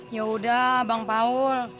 yaudah bang paul